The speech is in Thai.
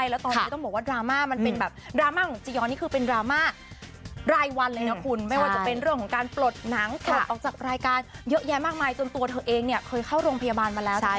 แล้วตอนนี้ต้องบอกว่าดราม่ามันเป็นแบบดราม่าของจียอนนี่คือเป็นดราม่ารายวันเลยนะคุณไม่ว่าจะเป็นเรื่องของการปลดหนังปลดออกจากรายการเยอะแยะมากมายจนตัวเธอเองเนี่ยเคยเข้าโรงพยาบาลมาแล้วนะคะ